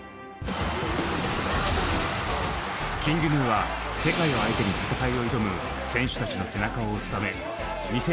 ＫｉｎｇＧｎｕは世界を相手に戦いを挑む選手たちの背中を押すため２０２２